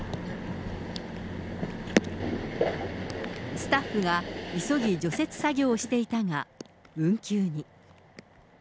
スタッフが急ぎ除雪作業していたが、運休に。